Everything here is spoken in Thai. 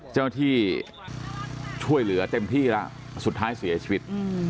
เจ้าหน้าที่ช่วยเหลือเต็มที่แล้วสุดท้ายเสียชีวิต